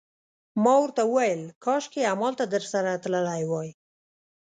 ما ورته وویل: کاشکي همالته درسره تللی وای.